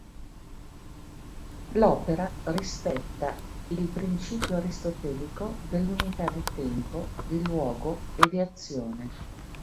L'opera rispetta il principio aristotelico dell'unità di tempo, di luogo, e di azione.